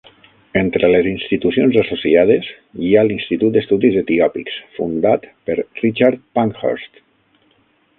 Entre les institucions associades hi ha l'Institut d'Estudis Etiòpics, fundat per Richard Pankhurst.